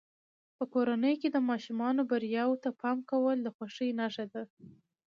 په کورنۍ کې د ماشومانو بریاوو ته پام کول د خوښۍ نښه ده.